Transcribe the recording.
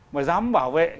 mà dám bảo vệ